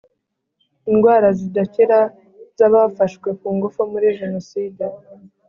Indwara zidakira z abafashwe ku ngufu muri jenoside